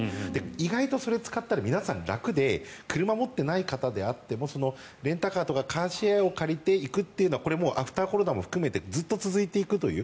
意外とそれを使ったら皆さん、楽で車、持ってない方であってもレンタカーとかカーシェアを借りて行くというのがアフターコロナも含めてずっと続いていくという。